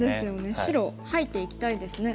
白入っていきたいですね。